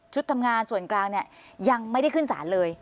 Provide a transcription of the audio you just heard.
ทำงานส่วนกลางเนี่ยยังไม่ได้ขึ้นสารเลย